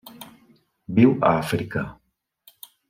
Viu a Àfrica.